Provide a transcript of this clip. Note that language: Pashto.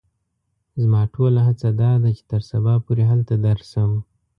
زما ټوله هڅه دا ده چې تر سبا پوري هلته درشم.